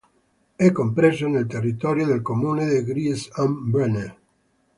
È compreso nel territorio del comune di Gries am Brenner.